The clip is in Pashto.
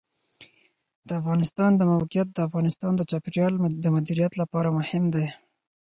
د افغانستان د موقعیت د افغانستان د چاپیریال د مدیریت لپاره مهم دي.